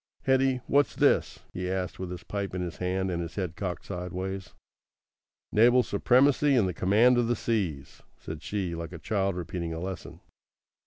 "Hetty, what's this?" he asked, with his pipe in his hand and his head cocked sideways. "Naval supremacy and the command of the seas," said she, like a child repeating a lesson.